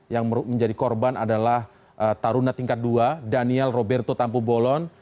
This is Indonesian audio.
yang menjadi korban adalah taruna tingkat dua daniel roberto tampu bolon